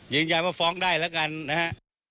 ว่าฟ้องได้แล้วกันนะฮะ